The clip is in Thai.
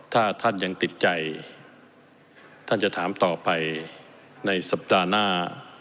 ถ้าท่านยังติดใจท่านจะถามต่อไปในสัปดาห์หน้า